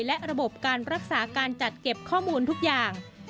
และระบบการรักษาการจัดเก็บข้อมูลทุกอย่าง